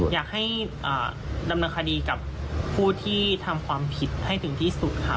อยากให้ดำเนินคดีกับผู้ที่ทำความผิดให้ถึงที่สุดค่ะ